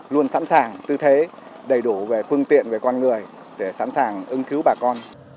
luôn sẵn sàng tư thế đầy đủ về phương tiện về con người để sẵn sàng ưng cứu bà con